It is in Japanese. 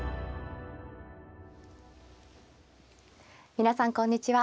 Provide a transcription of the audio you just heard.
皆さんこんにちは。